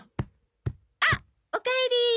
あっおかえり。